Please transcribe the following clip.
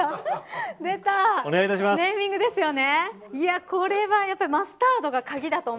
出た、ネーミングですよね。